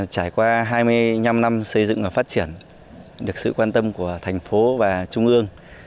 trải qua hai mươi năm năm xây dựng và phát triển được sự quan tâm của thành phố và trung ương